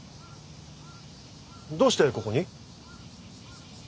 どうしてここに？